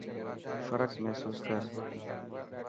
فرق محسوس ڪر.